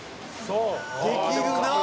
「できるなあ！」